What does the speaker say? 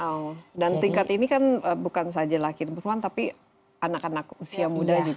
wow dan tingkat ini kan bukan saja laki perempuan tapi anak anak usia muda juga